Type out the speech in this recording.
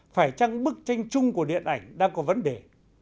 phải chăng bức tranh chung của điện ảnh đang có vấn đề